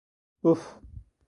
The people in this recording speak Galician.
Buf!